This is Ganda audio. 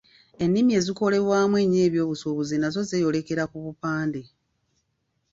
Ennimi ezikolebwamu ennyo eby'obusuubuzi nazo zeeyolekera ku bupande.